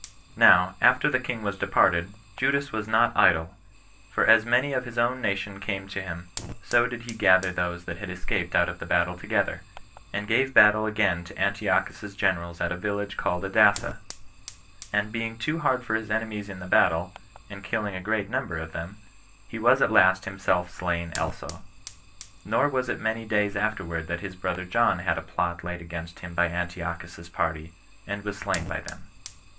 Now, after the king was departed, Judas was not idle; for as many of his own nation came to him, so did he gather those that had escaped out of the battle together, and gave battle again to Antiochus's generals at a village called Adasa; and being too hard for his enemies in the battle, and killing a great number of them, he was at last himself slain also. Nor was it many days afterward that his brother John had a plot laid against him by Antiochus's party, and was slain by them.